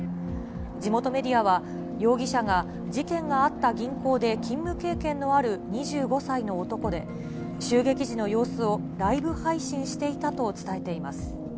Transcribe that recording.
地元メディアは、容疑者が事件があった銀行で勤務経験のある２５歳の男で、襲撃時の様子をライブ配信していたと伝えています。